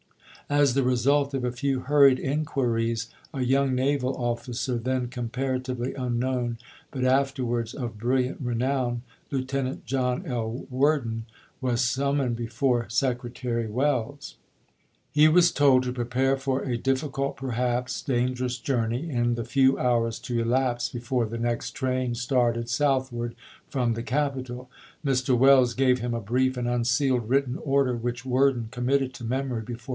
As the result of a few hurried inquiries, a young naval officer, then comparatively unknown, but afterwards of brilliant renown, Lieutenant John L. Worden, was summoned before Secretary Welles. !2i O H B a O o B Ma n> &< t ' 1 FOKT PICKENS KEENFOKCED 9 He was told to prepare for a difficult, perhaps dan chap. i. gerous journey, in the few hours to elapse before the next train started southward from the capital. Mr. Welles gave him a brief and unsealed written 'Silly" order which Worden committed to memory before '^^p.'